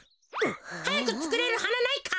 はやくつくれるはなないか？